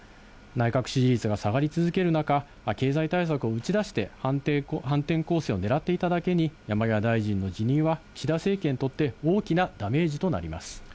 内閣支持率が下がり続ける中、経済対策を打ち出して、反転攻勢をねらっていただけに、山際大臣の辞任は、岸田政権にとって大きなダメージとなります。